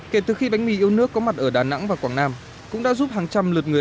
kể từ khi bánh mì yêu nước có mặt ở đà nẵng và quảng nam cũng đã giúp hàng trăm lượt người